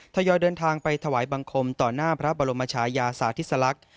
ทยอยเดินทางไปถวายบังคมต่อหน้าพระบรมชายาสาธิสลักษณ์